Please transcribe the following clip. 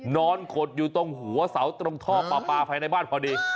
ขดอยู่ตรงหัวเสาตรงท่อปลาปลาภายในบ้านพอดี